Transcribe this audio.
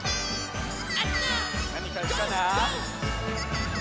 なにがいるかな？